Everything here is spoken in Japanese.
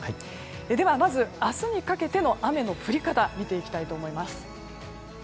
では、まず明日にかけての雨の降り方を見ていきます。